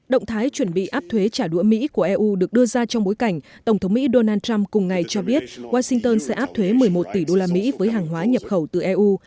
động thái chuẩn bị áp thuế trả đũa mỹ của eu được đưa ra trong bối cảnh tổng thống mỹ donald trump cùng ngày cho biết washington sẽ áp thuế một mươi một tỷ usd với hàng hóa nhập khẩu từ eu